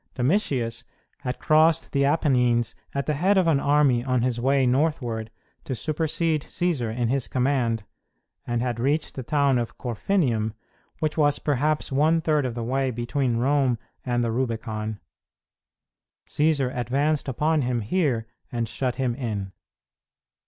Domitius had crossed the Apennines at the head of an army on his way northward to supersede Cćsar in his command, and had reached the town of Corfinium, which was perhaps one third of the way between Rome and the Rubicon. Cćsar advanced upon him here and shut him in.